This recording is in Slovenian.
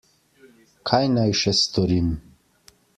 Kaj naj še storim?